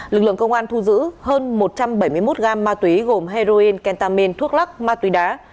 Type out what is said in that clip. lực lượng công an thu giữ hơn một trăm bảy mươi một gam ma túy gồm heroin kentamin thuốc lắc ma túy đá